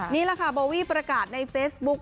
นี่แหละค่ะโบวี่ประกาศในเฟซบุ๊ค